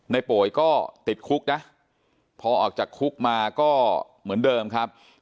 โป๋ยก็ติดคุกนะพอออกจากคุกมาก็เหมือนเดิมครับ